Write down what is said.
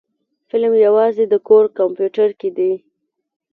فلم يوازې د کور کمپيوټر کې دی.